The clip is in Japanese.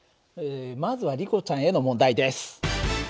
まずはリコちゃんへの問題です。